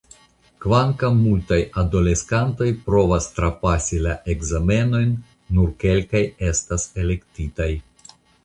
Kvankam multaj adoleskantoj provas trapasi la ekzamenojn nur kelkaj estas elektitaj.